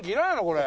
これ！